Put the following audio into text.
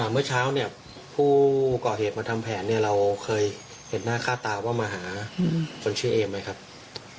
เมื่อเช้าเนี่ยผู้ก่อเหตุมาทำแผนเนี่ยเราเคยเห็นหน้าค่าตาว่ามาหาคนชื่อเอมไหมครับ